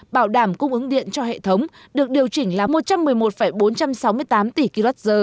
bảo đảm cung ứng điện cho hệ thống được điều chỉnh là một trăm một mươi một bốn trăm sáu mươi tám tỷ kwh